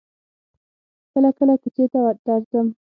کله کله کوڅې ته درځم.